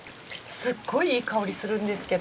すっごいいい香りするんですけど。